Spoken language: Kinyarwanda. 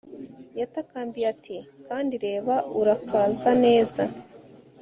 Yatakambiye ati Kandi reba urakaza neza